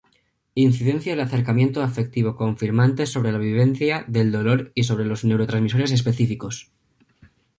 Incidencia del acercamiento afectivo-confirmante sobre la vivencia del dolor y sobre los neurotransmisores específicos.